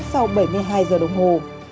sau bảy mươi hai giờ đồng hồ